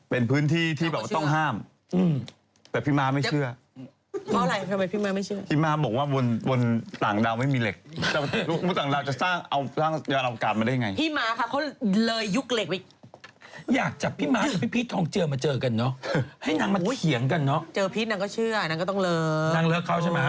เป็นพื้นที่ที่แบบว่าต้องห้ามอืมแต่พี่ม้าไม่เชื่อเพราะอะไรทำไมพี่ม้าไม่เชื่อพี่ม้าบอกว่าบนบนส่างดาวไม่มีเหล็กแต่บนส่างดาวจะสร้างเอาสร้างยาลังการมาได้ยังไงพี่ม้าค่ะเขาเลยยุกเหล็กไว้อยากจับพี่ม้าแต่พี่พีชทองเจอมาเจอกันเนอะให้นางมาเขียงกันเนอะเจอพีชนางก็เชื่อนางก็ต้องเลิ